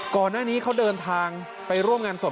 ก่อนหน้านี้เขาเดินทางไปร่วมงานศพ